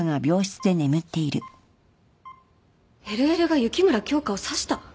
ＬＬが雪村京花を刺した？